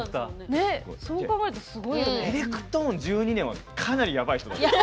エレクトーン１２年はかなりやばい人だね。